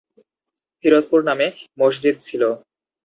ফিরোজপুর নামে মসজিদ ছিল।